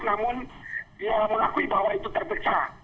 namun dia mengakui bahwa itu terpecah